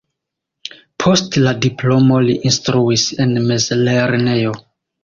Post la diplomo li instruis en mezlernejo.